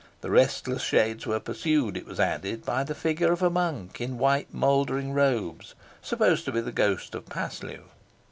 The restless shades were pursued, it was added, by the figure of a monk in white mouldering robes, supposed to be the ghost of Paslew.